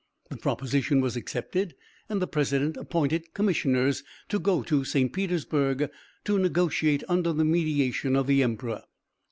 The proposition was accepted, and the president appointed commissioners to go to St. Petersburg to negotiate under the mediation of the emperor.